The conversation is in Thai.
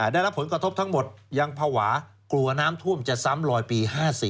ได้รับผลกระทบทั้งหมดยังภาวะกลัวน้ำท่วมจะซ้ำลอยปี๕๔